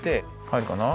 はいるかな？